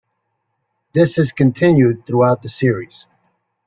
This is continued throughout the series.